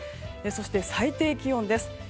そして最低気温です。